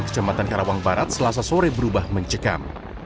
kecamatan karawang barat selasa sore berubah mencekam